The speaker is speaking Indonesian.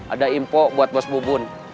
ada impor buat bos bubun